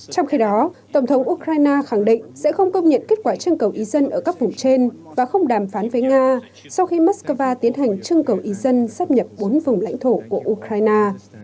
trong khi đó tổng thống ukraine khẳng định sẽ không công nhận kết quả trưng cầu ý dân ở các vùng trên và không đàm phán với nga sau khi moscow tiến hành trưng cầu ý dân sắp nhập bốn vùng lãnh thổ của ukraine